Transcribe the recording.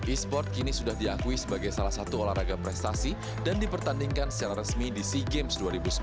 e sport kini sudah diakui sebagai salah satu olahraga prestasi dan dipertandingkan secara resmi di sea games dua ribu sembilan belas